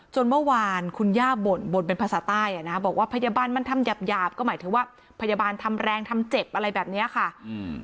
เมื่อวานคุณย่าบ่นบ่นเป็นภาษาใต้อ่ะนะบอกว่าพยาบาลมันทำหยาบหยาบก็หมายถึงว่าพยาบาลทำแรงทำเจ็บอะไรแบบเนี้ยค่ะอืม